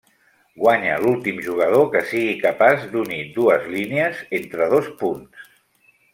Guanya l'últim jugador que sigui capaç d'unir dues línies entre dos punts.